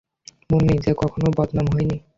মুন্নি - যে কখনও বদনাম হয়নি।